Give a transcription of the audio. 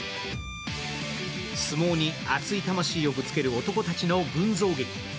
相撲に熱い魂ぶつける男たちの群像劇。